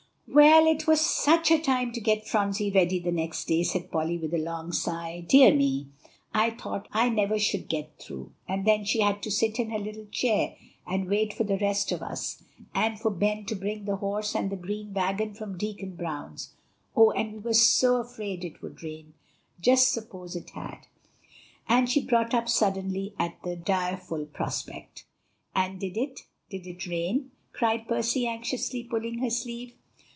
"Well, it was such a time to get Phronsie ready the next day," said Polly with a long sigh; "dear me, I thought I never should get through. And then she had to sit in her little chair and wait for the rest of us, and for Ben to bring the horse and the green wagon from Deacon Brown's. Oh! and we were so afraid it would rain just suppose it had!" and she brought up suddenly at the direful prospect. "And did it? did it rain?" cried Percy anxiously, pulling her sleeve.